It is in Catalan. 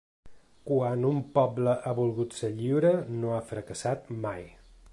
Quan un poble ha volgut ser lliure, no ha fracassat mai.